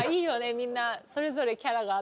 みんなそれぞれキャラがあって。